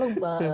itu faktor lain